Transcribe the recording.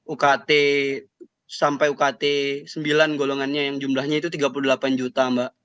ukt sampai ukt sembilan golongannya yang jumlahnya itu tiga puluh delapan juta mbak